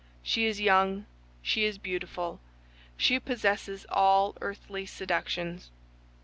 She is young; she is beautiful; she possesses all earthly seductions.